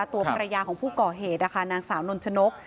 ตัวภรรยาของผู้ก่อเหตุนะคะนางสาวนนชนก